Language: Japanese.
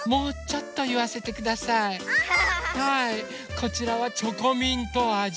こちらはチョコミントあじ。